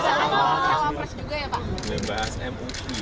apa pada saatnya pembahas mui